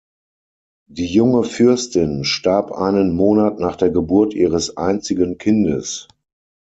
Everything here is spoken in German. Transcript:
Die junge Fürstin starb einen Monat nach der Geburt ihres einzigen Kindes.